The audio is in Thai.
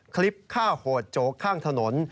คลิปฆ่าโหดโจ๊ข้างถนน